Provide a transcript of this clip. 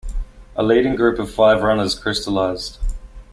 A leading group of five runners crystallized.